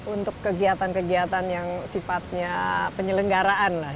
untuk kegiatan kegiatan yang sifatnya penyelenggaraan lah